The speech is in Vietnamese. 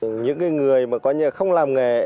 những người không làm nghề